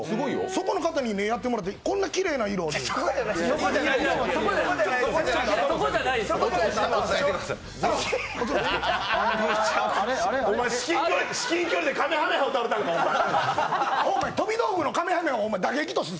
そこの方にやってもらってこんなきれいな色にそこじゃないです。